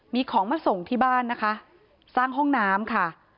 มีของมาส่งที่บ้านนะคะสร้างห้องน้ำค่ะ